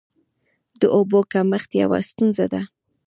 د اوبو کمښت یوه ستونزه ده.